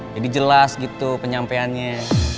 jadi jelas gitu penyampaiannya